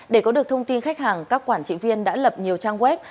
để có được thông tin khách hàng các quản trị viên đã lập nhiều trang web